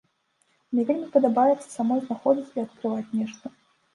Мне вельмі падабаецца самой знаходзіць і адкрываць нешта.